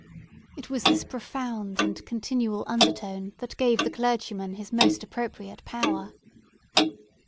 It was this profound and continual undertone that gave the clergyman his most appropriate power.